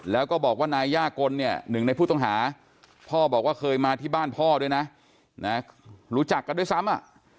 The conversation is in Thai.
แล้วก็บอกว่านายย่ากลเนี่ยหนึ่งในผู้ต้องหาพ่อบอกว่าเคยมาที่บ้านพ่อด้วยนะรู้จักกันด้วยซ้ำอ่ะ